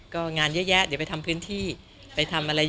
ก็งานเยอะแยะเดี๋ยวไปทำพื้นที่ไปทำอะไรเยอะ